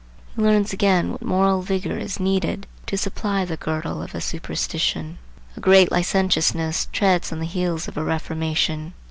He learns again what moral vigor is needed to supply the girdle of a superstition. A great licentiousness treads on the heels of a reformation.